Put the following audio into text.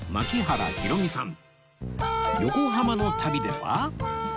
横浜の旅では